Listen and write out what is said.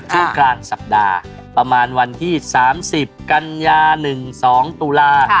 ช่วงกลางสัปดาห์ประมาณวันที่๓๐กันยา๑๒ตุลา